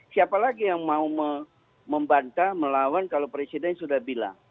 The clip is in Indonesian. siapa lagi yang mau membantah melawan kalau presiden sudah bilang